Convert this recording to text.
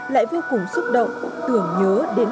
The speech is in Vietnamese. tiêu củng xúc động tưởng nhớ đến